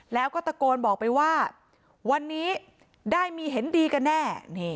แล้วก็ตะโกนบอกไปว่าวันนี้ได้มีเห็นดีกันแน่